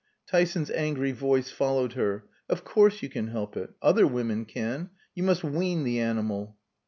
Tyson's angry voice followed her. "Of course you can help it. Other women can. You must wean the animal."